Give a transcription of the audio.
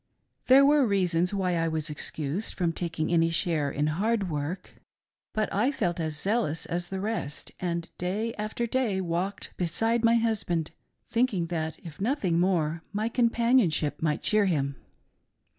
There were reasons why I was excused from tak ing any share in hard work ; but I felt as zealous as the rest, and day after day walked beside my husband thinking that, if nothing more, my companionship might cheer him.